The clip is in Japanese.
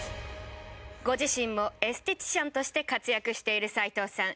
ご自身もエステティシャンとして活躍している齊藤さん。